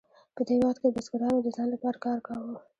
په دې وخت کې بزګرانو د ځان لپاره کار کاوه.